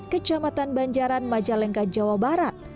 kecamatan banjaran majalengka jawa barat